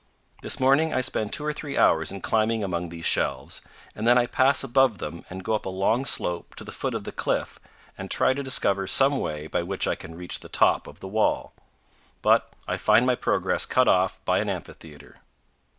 This morning I spend two or three hours in climbing among these shelves, and then I pass above them and go up a long slope to the foot of the cliff and try to discover some way by which I can reach the top of the wall; but I find my progress cut off by an amphitheater.